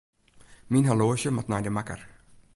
Myn horloazje moat nei de makker.